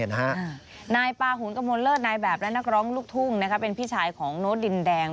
นายปาหุนกระมวลเลิศนายแบบและนักร้องลูกทุ่งเป็นพี่ชายของโน้ตดินแดง